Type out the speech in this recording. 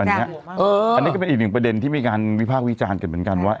อันเนี้ยเอออันเนี้ยก็เป็นอีกหนึ่งประเด็นที่มีการวิภาควิจารณ์เกิดเหมือนกันว่า